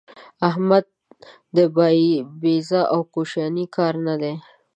احمده! دا بابېزه او کوشنی کار نه دی.